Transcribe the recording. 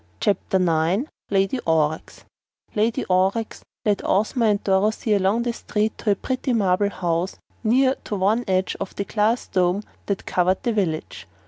Chapter Nine Lady Aurex Lady Aurex led Ozma and Dorothy along a street to a pretty marble house near to one edge of the great glass dome that covered the village.